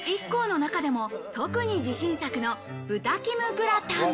ＩＫＫＯの中でも特に自信作の豚キムグラタン。